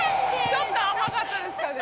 ちょっと甘かったですかね。